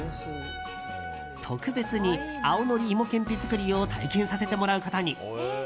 特別に青のり芋けんぴ作りを体験させてもらうことに。